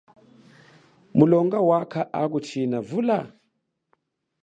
Mulonga wakha akuchina vula?